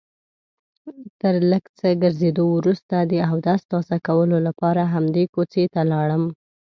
تر لږ څه ګرځېدو وروسته د اودس تازه کولو لپاره همدې کوڅې ته لاړم.